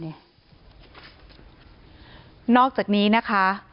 นอกจากนี้นะคะ